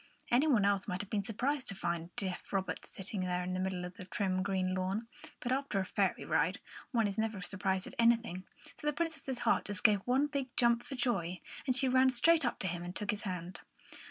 Any one else might have been surprised to find deaf Robert sitting there, in the middle of the trim green lawn, but after a fairy ride one is never surprised at anything; so the Princess's heart just gave one big jump for joy, and she ran straight up to him and took his hand.